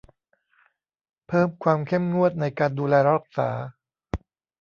เพิ่มความเข้มงวดในการดูแลรักษา